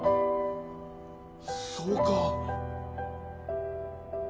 そうか。